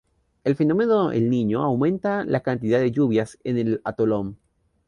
El fenómeno El Niño aumenta la cantidad de lluvias en el atolón.